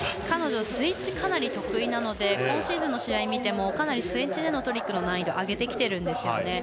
彼女はスイッチかなり得意なので今シーズンの試合を見てもかなりスイッチでのトリックの難易度を上げてきています。